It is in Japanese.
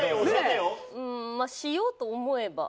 うんまあしようと思えば。